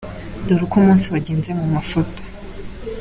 Dore uko umunsi wagenze mu mafoto:.